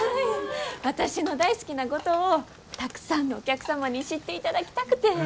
私の大好きな五島をたくさんのお客様に知っていただきたくて。